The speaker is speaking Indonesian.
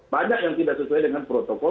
banyak yang tidak sesuai dengan protokol